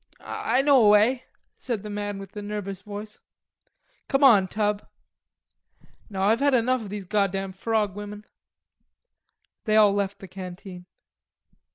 "I know a way," said the man with the nervous voice, "Come on; Tub." "No, I've had enough of these goddam frog women." They all left the canteen.